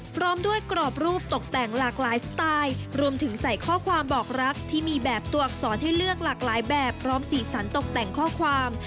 พร้อมด้วยกรอบรูปตกแต่งหลากหลายสไตล์รวมถึงใส่ข้อความบอกรักที่มีแบบตัวอักษรให้เลือกหลากหลายแบบพร้อมสีสันตกแต่งข้อความ